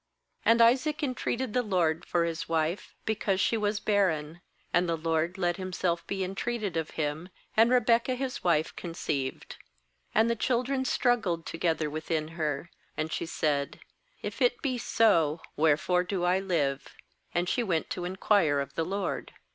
aAnd Isaac entreated the LORD for his wife, be cause she was barren; and the LORD let Himself be entreated of him, and Rebekah his wife conceived. ^And the children struggled together within her; and she said: ' If it be so, where fore do I live?' And she went to in quire of the LORD.